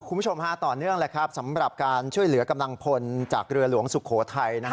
คุณผู้ชมฮะต่อเนื่องแล้วครับสำหรับการช่วยเหลือกำลังพลจากเรือหลวงสุโขทัยนะฮะ